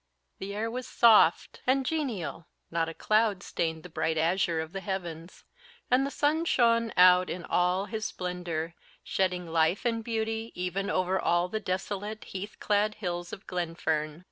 The air was soft and genial; not a cloud stained the bright azure of the heavens; and the sun shone out in all his splendour, shedding life and beauty even over all the desolate heath clad hills of Glenfern.